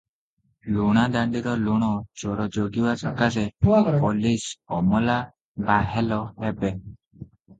ଲୁଣାଦାଣ୍ଡିର ଲୁଣ ଚୋର ଜଗିବା ସକାଶେ ପୋଲିଶ ଅମଲା ବାହେଲ ହେବେ ।